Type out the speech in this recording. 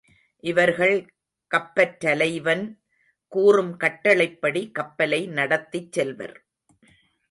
இவர்கள் கப்பற்றலைவன் கூறும் கட்டளைப்படி கப்பலை நடத்திச் செல்வர்.